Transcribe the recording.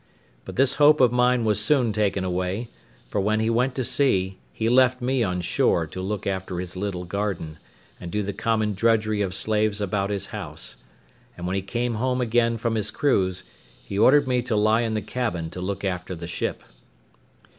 But this hope of mine was soon taken away; for when he went to sea, he left me on shore to look after his little garden, and do the common drudgery of slaves about his house; and when he came home again from his cruise, he ordered me to lie in the cabin to look after the ship.